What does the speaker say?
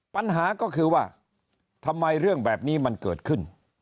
ปัญหาก็คือว่าทำไมเรื่องแบบนี้มันเกิดขึ้น